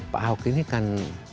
pak ahok ini kan